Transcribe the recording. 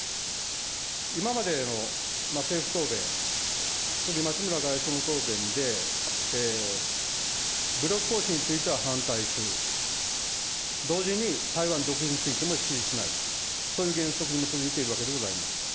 今までの政府答弁、特に町村外相の答弁で、武力行使については反対する、同時に、台湾独立についても支持しない、そういう原則に基づいているわけでございます。